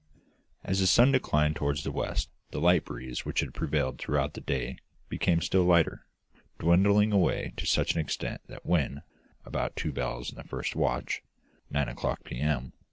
As the sun declined toward the west, the light breeze which had prevailed throughout the day became still lighter, dwindling away to such an extent that when, about two bells in the first watch (nine o'clock p.m.)